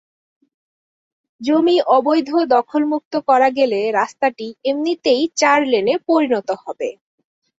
জমি অবৈধ দখলমুক্ত করা গেলে রাস্তাটি এমনিতেই চার লেনে পরিণত হবে।